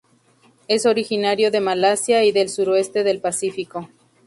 Es originario de Malasia y del suroeste del Pacífico.